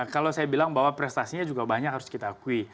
kalau saya bilang bahwa prestasinya juga banyak harus kita akui